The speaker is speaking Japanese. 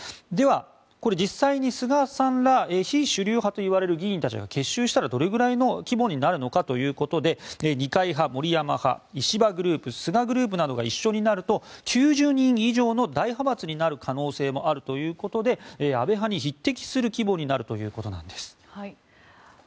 では、実際に菅さんら非主流派といわれる議員たちが結集したらどれぐらいの規模になるかということで二階派、森山派、石破グループ菅グループなどが一緒になると９０人以上の大派閥になる可能性もあるということで安倍派に匹敵する規模になるということなんです。